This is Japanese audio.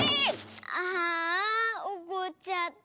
ああおこっちゃった。